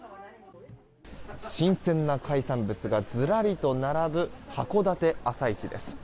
新鮮な海産物がずらりと並ぶ函館朝市です。